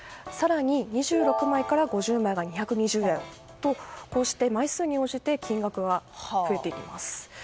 更に２６枚から５０枚が２２０円とこうして枚数に応じて金額が増えてきます。